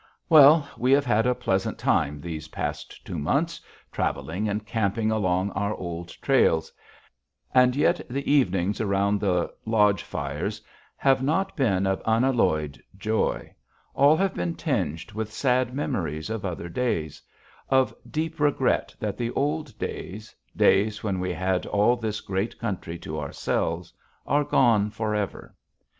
Well, we have had a pleasant time these past two months, traveling and camping along our old trails, and yet the evenings around the lodge fires have not been of unalloyed joy: all have been tinged with sad memories of other days; of deep regret that the old days days when we had all this great country to ourselves are gone forever.